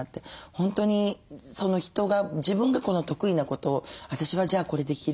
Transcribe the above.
本当に人が自分が得意なことを私はじゃあこれできる。